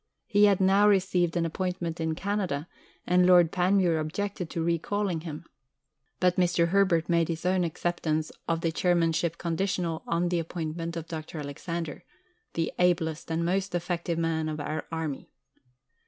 He had now received an appointment in Canada, and Lord Panmure objected to recalling him; but Mr. Herbert made his own acceptance of the Chairmanship conditional on the appointment of Dr. Alexander, "the ablest and most effective man with our Army."